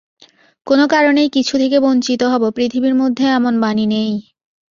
কোনো কারণেই কিছু থেকে বঞ্চিত হব, প্রকৃতির মধ্যে এমন বাণী নেই।